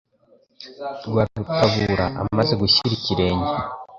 Rwarutabura amaze gushyira ikirenge